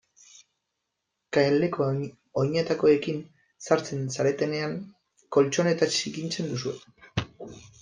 Kaleko oinetakoekin sartzen zaretenean koltxoneta zikintzen duzue.